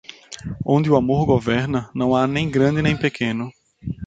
Onde o amor governa, não há nem grande nem pequeno.